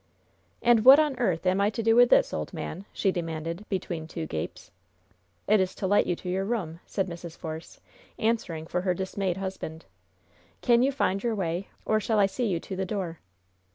"And what on earth am I to do with this, old man?" she demanded, between two gapes. "It is to light you to your room," said Mrs. Force, answering for her dismayed husband. "Can you find your way, or shall I see you to the door?"